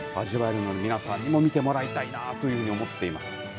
皆さんにも見てもらいたいなというふうに思っています。